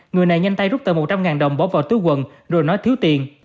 người này nhanh tay rút tờ một trăm linh đồng bóp vào tứ quần rồi nói thiếu tiền